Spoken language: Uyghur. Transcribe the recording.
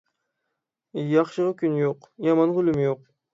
ياخشىغا كۈن يوق، يامانغا ئۈلۈم يوق.